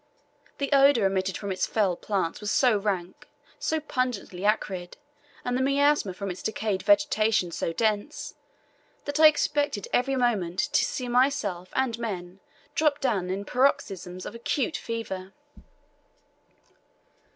The odour emitted from its fell plants was so rank, so pungently acrid, and the miasma from its decayed vegetation so dense, that I expected every moment to see myself and men drop down in paroxysms of acute fever.